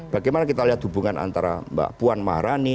bagaimana kita lihat hubungan antara mbak puan maharani